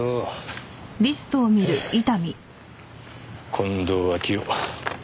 近藤秋夫